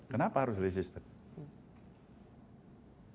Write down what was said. kenapa harus resisten